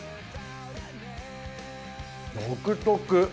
独特。